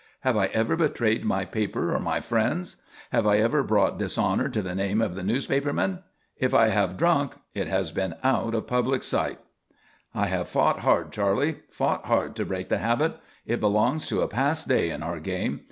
Have I ever betrayed my paper or my friends? Have I ever brought dishonour to the name of the newspaperman? If I have drunk, it has been out of the public sight. "I have fought hard, Charley; fought hard to break the habit. It belongs to a past day in our game.